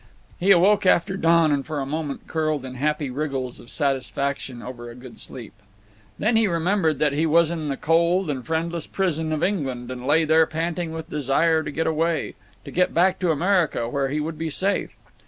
He awoke after dawn, and for a moment curled in happy wriggles of satisfaction over a good sleep. Then he remembered that he was in the cold and friendless prison of England, and lay there panting with desire to get away, to get back to America, where he would be safe.